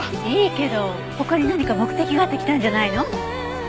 いいけど他に何か目的があって来たんじゃないの？